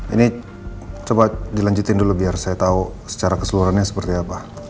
ini coba dilanjutin dulu biar saya tahu secara keseluruhannya seperti apa